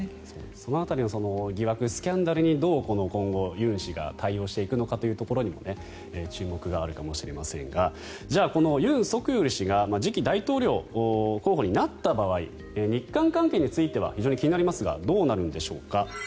その辺りの疑惑スキャンダルにどう今後ユン氏が対応していくのかというところにも注目があるかもしれませんがこのユン・ソクヨル氏が次期大統領候補になった場合日韓関係については非常に気になりますがどうなるんでしょうか。